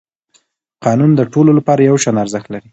قانون د ټولو لپاره یو شان ارزښت لري